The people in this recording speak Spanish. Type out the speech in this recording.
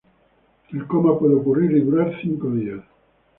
El coma puede ocurrir y durar cinco días.